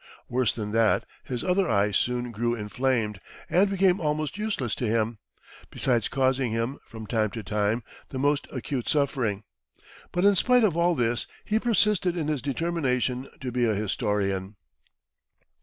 Worse than that, his other eye soon grew inflamed, and became almost useless to him, besides causing him, from time to time, the most acute suffering. But in spite of all this, he persisted in his determination to be a historian.